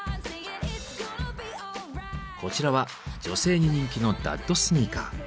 こちらは女性に人気の「ダッドスニーカー」。